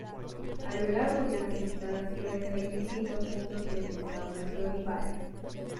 A lo largo de las instalaciones hay distintos puntos de restauración y bares.